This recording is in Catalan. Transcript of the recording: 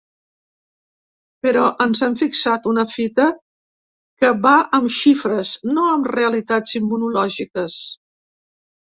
Però ens hem fixat una fita que va amb xifres, no amb realitats immunològiques.